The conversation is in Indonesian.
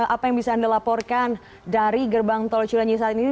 apa yang bisa anda laporkan dari gerbang tol cilenyi saat ini